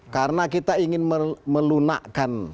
karena kita ingin melunakan